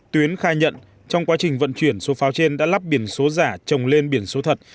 tuyến khai nhận trong quá trình vận chuyển số pháo trên đã lắp biển số giả trồng lên biển số thật